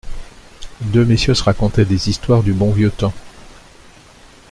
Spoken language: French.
Deux messieurs se racontaient des histoires du bon vieux temps.